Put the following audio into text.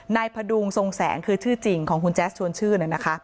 พดุงทรงแสงคือชื่อจริงของคุณแจ๊สชวนชื่น